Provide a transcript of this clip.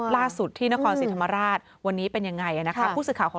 ล่าสุดที่นครศรีธรรมราชวันนี้เป็นยังไงนะคะผู้สื่อข่าวของ